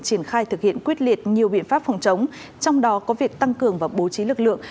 triển khai thực hiện quyết liệt nhiều biện pháp phòng chống trong đó có việc tăng cường và bố trí lực lượng